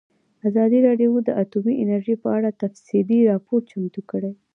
ازادي راډیو د اټومي انرژي په اړه تفصیلي راپور چمتو کړی.